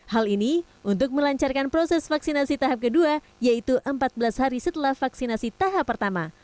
hal ini untuk melancarkan proses vaksinasi tahap kedua yaitu empat belas hari setelah vaksinasi tahap pertama